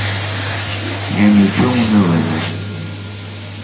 Я ні в чому не винен.